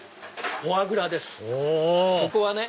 ここはね